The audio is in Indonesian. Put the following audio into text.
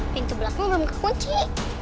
pintu belakang belum kekunci